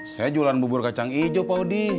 saya jualan bubur kacang ijo pak odi